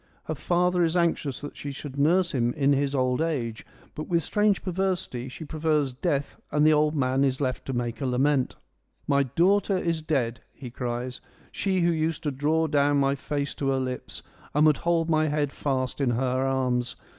Her father is anxious that she should nurse him in his old age, but with strange perversity she prefers death and H 106 FEMINISM IN GREEK LITERATURE the old man is left to make lament. ' My daughter is dead ;' he cries, ' she who used to draw down my face to her lips and would hold my head fast in her arms.